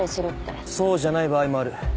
そうじゃない場合もある。